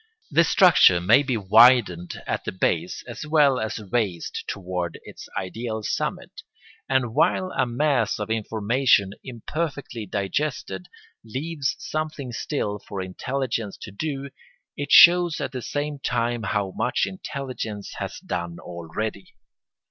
The structure may be widened at the base as well as raised toward its ideal summit, and while a mass of information imperfectly digested leaves something still for intelligence to do, it shows at the same time how much intelligence has done already.